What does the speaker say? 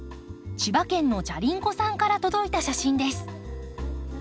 千葉県のじゃりんこさんから届いた写真です。